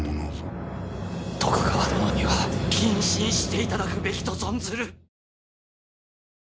徳川殿には謹慎していただくべきと存ずる！